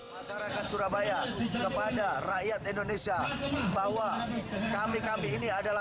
masyarakat surabaya kepada rakyat indonesia bahwa kami kami ini adalah